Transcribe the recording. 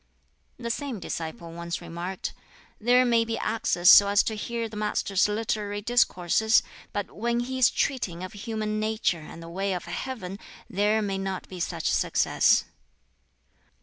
The same disciple once remarked, "There may be access so as to hear the Master's literary discourses, but when he is treating of human nature and the way of Heaven, there may not be such success."